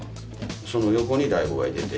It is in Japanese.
その横に大悟がいてて。